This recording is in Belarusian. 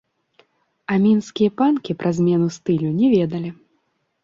А мінскія панкі пра змену стылю не ведалі.